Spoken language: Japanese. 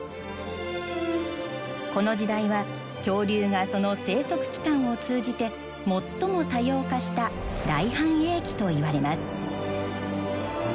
この時代は恐竜がその生息期間を通じて最も多様化した大繁栄期といわれます。